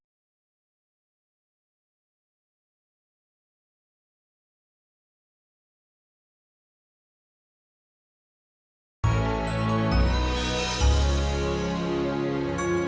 mas nino itu dia yang nelfon kamu terus